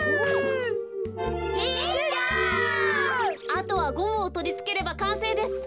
あとはゴムをとりつければかんせいです。